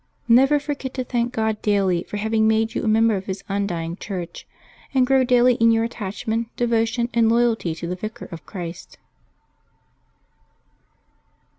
— Never forget to thank God daily for havincr made yon a member of His undying Church, and grow daily in your attachment, devotion, and loyalty to the Vicar of Christ.